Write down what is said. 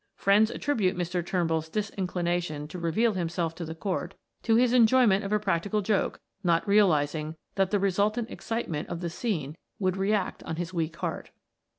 Friends attribute Mr. Turnbull's disinclination to reveal himself to the court, to his enjoyment of a practical joke, not realizing that the resultant excitement of the scene would react on his weak heart.